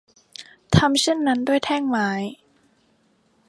ทำเช่นนั้นด้วยแท่งไม้